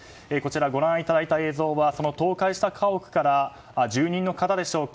ご覧いただいた映像は倒壊した家屋から住人の方でしょうか